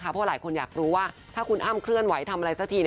เพราะหลายคนอยากรู้ว่าถ้าคุณอ้ำเคลื่อนไหวทำอะไรสักที